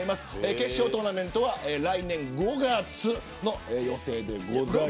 決勝トーナメントは来年５月の予定です。